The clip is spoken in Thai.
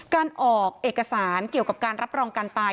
การออกเอกสารเกี่ยวกับการรับรองการตาย